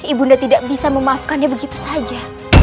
ibu nda tidak bisa memaafkannya begitu saja